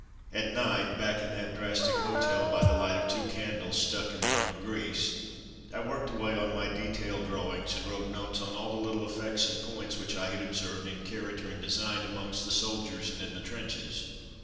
At night, back in that drastic hotel by the light of two candles stuck in their own grease, I worked away on my detail drawings and wrote notes on all the little effects and points which I had observed in character and design amongst the soldiers and in the trenches.